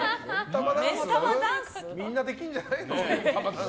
みんなできるんじゃないの？